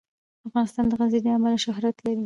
افغانستان د غزني له امله شهرت لري.